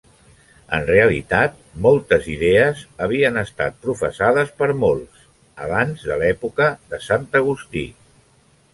En realitat, moltes idees havien estat professades per molts abans de l'època de Sant Agustí.